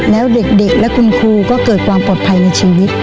แล้วเด็กและคุณครูก็เกิดความปลอดภัยในชีวิต